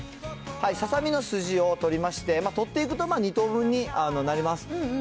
ささみの筋を取りまして、取っていくと２等分になります。